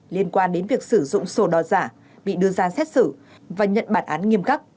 liên quan đến việc sử dụng sổ đỏ giả bị đưa ra xét xử và nhận bản án nghiêm khắc